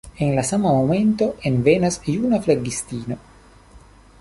En la sama momento envenas juna flegistino.